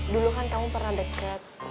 dulu kan kamu pernah dekat